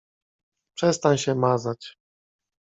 Przestań się mazać.